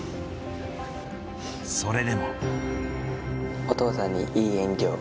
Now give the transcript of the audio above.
それでも。